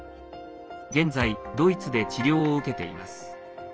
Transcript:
現在、ドイツで治療を受けています。